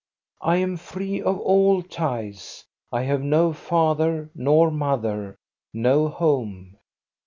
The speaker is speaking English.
I am free of all ties. I have no father nor mother, no home.